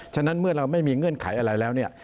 ฉะนั้นเมื่อเราไม่มีเงื่อนไขอะไรแล้วเนี่ย